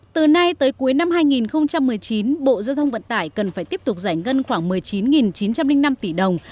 từ nay tới cuối năm hai nghìn một mươi chín bộ giao thông vận tải cần phải tiếp tục giải ngân khoảng một mươi chín chín trăm linh năm tỷ đồng